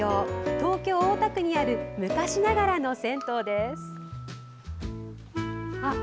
東京・大田区にある昔ながらの銭湯です。